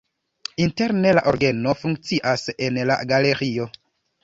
Interne la orgeno funkcias en la galerio.